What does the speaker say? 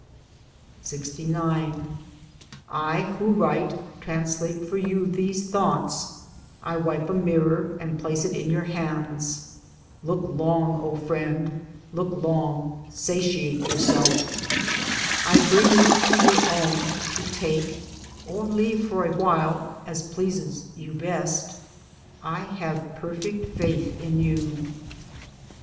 LXIX — WHO write — translate for you these thoughts : I wipe a mirror and place it in your hands [look long, O friend, look long, satiate yourself] — no Towards Democracy I bring you to your own, to take, or leave for a while, as pleases you best. I have perfect faith in you.